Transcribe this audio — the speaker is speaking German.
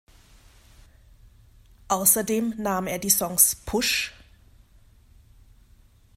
Außerdem nahm er die Songs "Push!